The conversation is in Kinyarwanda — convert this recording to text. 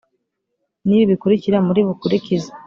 ni ibi bikurikira muri bukurikize.